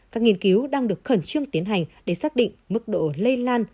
các nghiên cứu đang được khẩn trương tiến hành để xác định mức độ lây lan